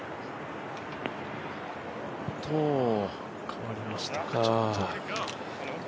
変わりましたか、ちょっと。